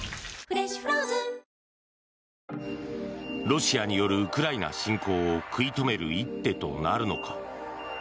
ロシアによるウクライナ侵攻を食い止める一手となるのか。